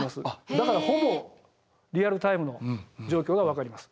だからほぼリアルタイムの状況が分かります。